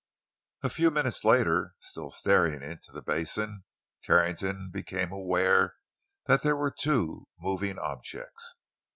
A few minutes later, still staring into the basin, Carrington became aware that there were two moving objects.